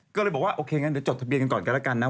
ก็เลยบอกว่าโอเคงั้นเดี๋ยวจดทะเบียนกันก่อนกันแล้วกันนะ